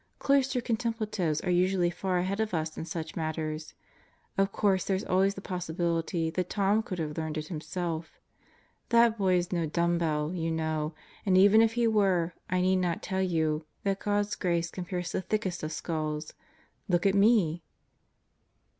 Cloistered contemplatives are usually far ahead of us in such matters. Of course there's always the possibility that Tom could have learned it himself. That boy is no dumbbell, you know; and even if he were, I need not tell you, that God's grace can pierce the thickest of skulls. Look at me!"